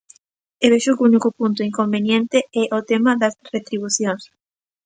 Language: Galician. E vexo que o único punto inconveniente é o tema das retribucións.